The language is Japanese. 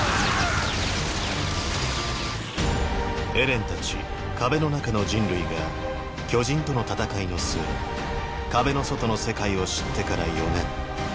エレンたち壁の中の人類が巨人との戦いの末壁の外の世界を知ってから４年。